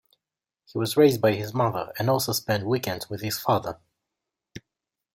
He was raised by his mother, and also spent weekends with his father.